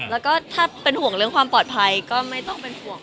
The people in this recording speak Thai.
แล้วก็ถ้าเป็นห่วงเรื่องความปลอดภัยก็ไม่ต้องเป็นห่วง